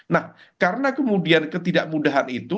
nah karena kemudian ketidak mudahan itu